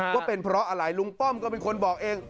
ว่าเป็นเพราะอะไรลุงป้อมก็เป็นคนบอกเอง